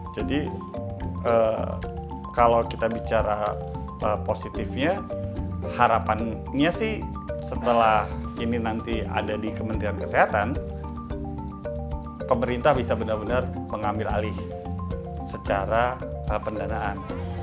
jadi kalau kita bicara positifnya harapannya sih setelah ini nanti ada di kementerian kesehatan pemerintah bisa benar benar mengambil alih secara pendanaan